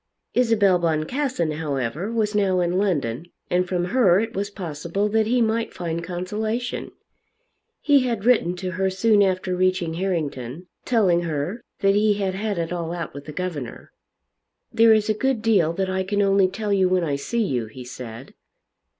Isabel Boncassen, however, was now in London, and from her it was possible that he might find consolation. He had written to her soon after reaching Harrington, telling her that he had had it all out with the governor. "There is a good deal that I can only tell you when I see you," he said.